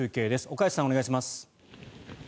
岡安さん、お願いします。